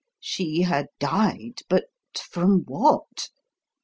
She had died but from what?